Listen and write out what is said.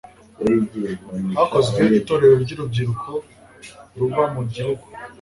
hakozwe itorero ry'urubyiruko ruba mu gihugu